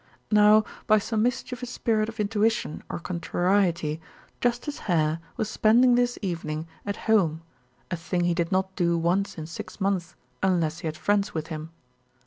Now, by some mischievous spirit of intuition or contrariety, Justice Hare was spending this evening at home, a thing he did not do once in six months unless he had friends with him.